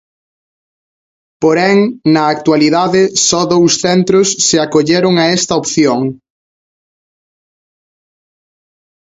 Porén, na actualidade só dous centros se acolleron a esta opción.